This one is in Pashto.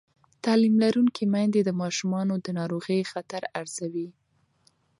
تعلیم لرونکې میندې د ماشومانو د ناروغۍ خطر ارزوي.